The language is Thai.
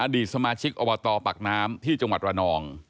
อดีตสมาชิกอบตปักน้ำที่จังหวัดอนอง